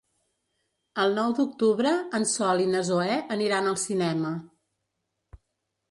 El nou d'octubre en Sol i na Zoè aniran al cinema.